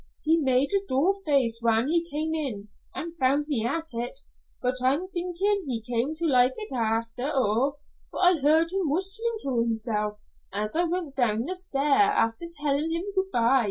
He made a dour face whan he came in an' found me at it, but I'm thinkin' he came to like it after a', for I heard him whustlin' to himsel' as I went down the stair after tellin' him good by.